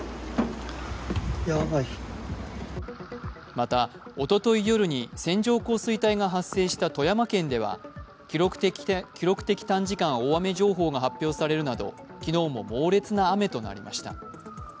またおととい夜に線状降水帯が発生した富山県では記録的短時間大雨情報が発表されるなど、昨日も猛烈な雨となりました。